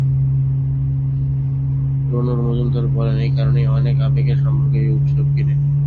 রনু মজুমদার বলেন, এ কারণেই অনেক আবেগের সম্পর্ক এই উৎসব ঘিরে।